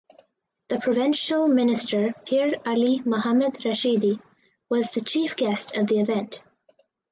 The Provincial Minister Pir Ali Muhammad Rashidi was the chief guest of the event.